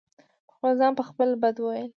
په خپل ځان په خپله بد وئيل